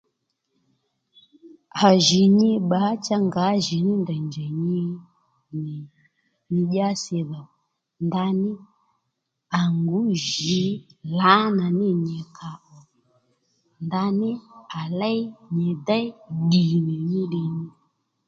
À jì nyi bbǎ cha ngǎjìní ndèy njèy nyi nì nyi dyǎsi dhò ndaní à ngǔ jǐ lǎnà ní nì nyì kàò ndaní à léy nyì déy ddì nì ddiy ní